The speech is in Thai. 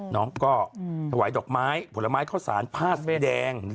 น้องก็ถวายดอกไม้ผลไม้เข้าสารผ้าแม่แดง